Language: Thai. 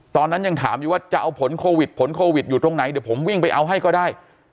ตอนนั้นยังถามอยู่ว่าจะเอาผลโควิดผลโควิดอยู่ตรงไหนเดี๋ยวผมวิ่งไปเอาให้ก็ได้